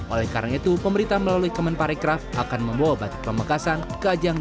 oleh karena itu pemerintah melalui kemenparikraft akan membawa batik pamekasan ke ajang g dua puluh